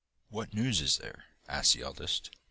'What news is there?' asked the eldest.